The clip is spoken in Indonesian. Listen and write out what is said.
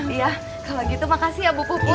iya kalau gitu makasih ya bu put put